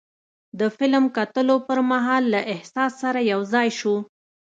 د فلم کتلو پر مهال له احساس سره یو ځای شو.